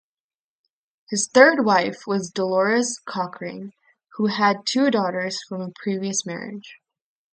His third wife was Dolores Cochrane who had two daughters from a previous marriage.